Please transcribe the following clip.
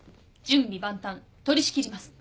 準備万端取り仕切ります。